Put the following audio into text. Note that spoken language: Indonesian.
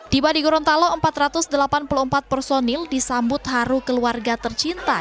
tiba di gorontalo empat ratus delapan puluh empat personil disambut haru keluarga tercinta